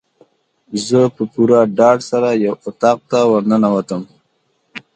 زه په پوره ډاډ سره یو اطاق ته ورننوتم.